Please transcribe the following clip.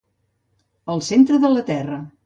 El centre de la Terra.